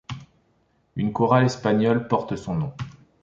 Une chorale espagnole porte son nom.